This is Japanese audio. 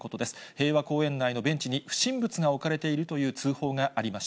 平和公園内のベンチに不審物が置かれているという通報がありまし